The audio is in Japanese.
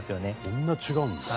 こんな違うんだ。